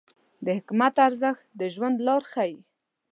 د حکمت ارزښت د ژوند لار ښیي.